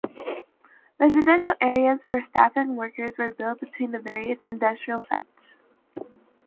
Residential areas for staff and workers were built between the various industrial sites.